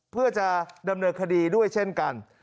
เพื่อจะดำเนินคดีด้วยเช่นกัน